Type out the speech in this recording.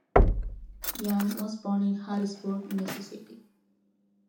Young was born in Hattiesburg, Mississippi.